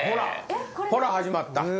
ほら始まった。